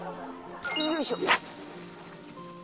よいしょ。